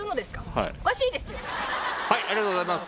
はいはいありがとうございます